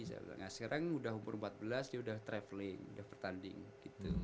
sekarang udah umur empat belas dia udah travelling udah pertanding gitu